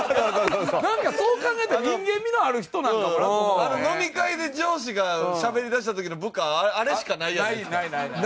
なんかそう考えたら人間味のある人なんかもな。飲み会で上司がしゃべりだした時の部下あれしかないじゃないですか。